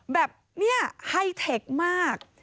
แบบนี้ไฮเทคมาก